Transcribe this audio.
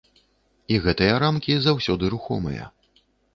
І гэтыя рамкі заўсёды рухомыя.